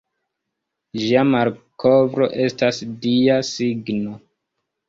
Ĝia malkovro estas Dia signo.